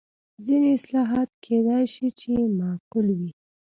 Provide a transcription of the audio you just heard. ځینې اصلاحات کېدای شي چې معقول وي.